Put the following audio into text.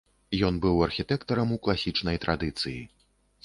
Ён быў архітэктарам ў класічнай традыцыі.